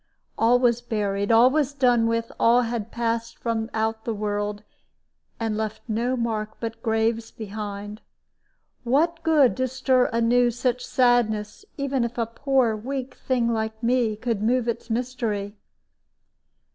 All was buried, all was done with, all had passed from out the world, and left no mark but graves behind. What good to stir anew such sadness, even if a poor weak thing like me could move its mystery?